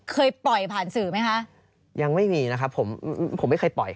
เคยปล่อยผ่านสื่อไหมคะยังไม่มีนะครับผมผมไม่เคยปล่อย